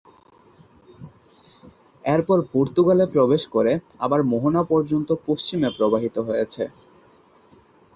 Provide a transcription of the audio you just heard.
এরপর পর্তুগালে প্রবেশ করে আবার মোহনা পর্যন্ত পশ্চিমে প্রবাহিত হয়েছে।